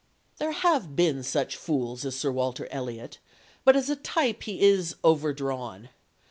There have been such fools as Sir Walter Elliot, but as a type he is overdrawn.